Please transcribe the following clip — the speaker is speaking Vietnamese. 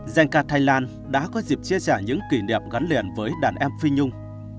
danh ca thành lan đã có dịp chia sẻ những kỷ niệm gắn liền với đàn em phi nhung